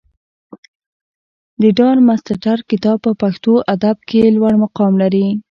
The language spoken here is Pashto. د ډارمستتر کتاب په پښتو ادب کښي لوړ مقام لري.